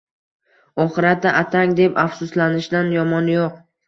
Oxiratda attang deb afsuslanishdan yomoni yo‘q.